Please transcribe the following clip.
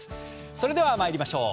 それでは参りましょう。